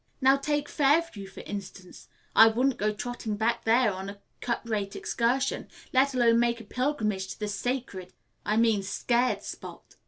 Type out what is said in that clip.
Now take Fairview, for instance. I wouldn't go trotting back there on a cut rate excursion, let alone making a pilgrimage to the sacred, I mean scared, spot.